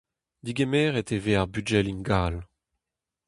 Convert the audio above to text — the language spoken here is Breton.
Degemeret e vez ar bugel ingal.